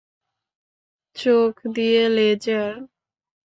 চোখ দিয়ে লেজার?